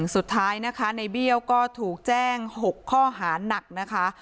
สุดท้ายนะคะในเบี้ยวก็ถูกแจ้ง๖ข้อหานักนะคะ